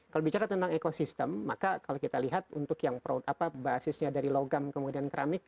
kalau bicara tentang ekosistem maka kalau kita lihat untuk yang basisnya dari logam kemudian keramik